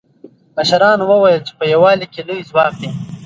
مشرانو وویل چې په یووالي کې لوی ځواک دی.